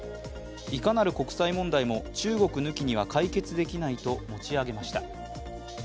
いかなる国際問題も中国抜きには解決できないと持ち上げました。